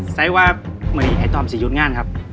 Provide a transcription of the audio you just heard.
ใส่ว่ามีไอตอมสียุดง่านครับ